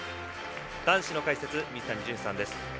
男子の解説、水谷隼さんです。